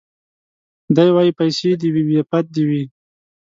دی وايي پيسې دي وي بې پت دي وي